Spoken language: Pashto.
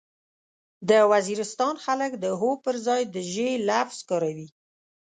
د وزيرستان خلک د هو پرځای د ژې لفظ کاروي.